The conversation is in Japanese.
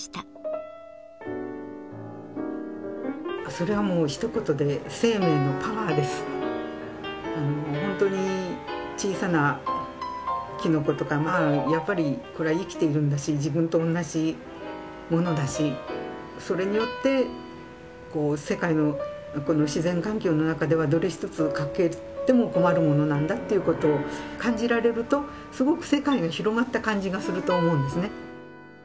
それはもうひと言で本当に小さなきのことかやっぱりこれは生きているんだし自分と同じものだしそれによって世界の自然環境の中ではどれ一つ欠けても困るものなんだということを感じられるとすごく世界が広がった感じがすると思うんですね。